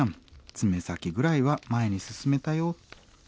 爪先ぐらいは前に進めたよ」。